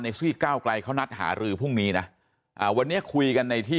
ซี่ก้าวไกลเขานัดหารือพรุ่งนี้นะอ่าวันนี้คุยกันในที่